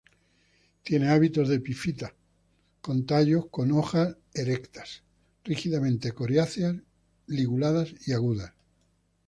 Tiene hábitos de epífita con tallos con hojas erectas rígidamente coriáceas, liguladas y agudas.